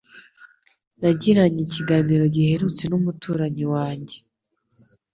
Nagiranye ikiganiro giherutse n'umuturanyi wanjye.